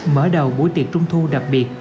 mở đầu buổi tiệc trung thu đặc biệt